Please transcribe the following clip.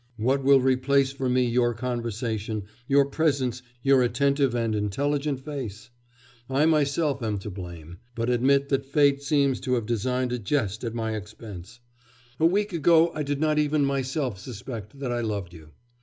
What will replace for me your conversation, your presence, your attentive and intelligent face?... I myself am to blame; but admit that fate seems to have designed a jest at my expense. A week ago I did not even myself suspect that I loved you.